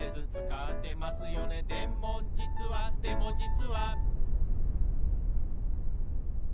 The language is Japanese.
「でもじつはでもじつは」